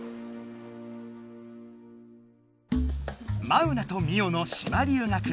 マウナとミオの島留学。